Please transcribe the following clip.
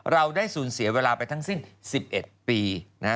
เราได้สูญเสียเวลาไปทั้งสิ้น๑๑ปีนะฮะ